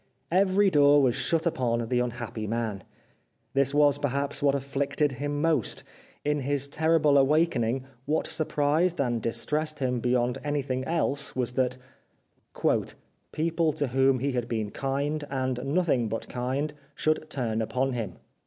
Every door was shut upon the un happy man. This was, perhaps, what afflicted him most. In his terrible awakening what sur prised and distressed him beyond anything else was that '* people to whom he had been kind, and nothing but kind, should turn upon him."